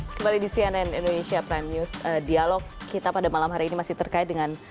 kembali di cnn indonesia prime news dialog kita pada malam hari ini masih terkait dengan